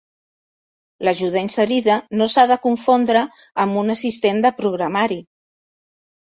L'ajuda inserida no s'ha de confondre amb un assistent de programari.